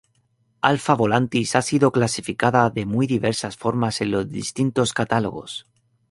Alfa Volantis ha sido clasificada de muy diversas formas en los distintos catálogos.